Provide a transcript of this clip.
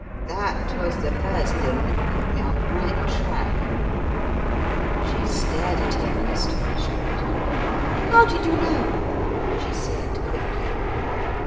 That was the first thing that put me on the right track." She stared at him in astonishment. "How did you know?" she said, quickly.